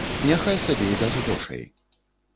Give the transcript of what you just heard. Няхай сабе і без грошай.